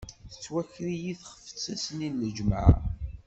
Tettwaker-iyi texfet ass-nni n lǧemεa.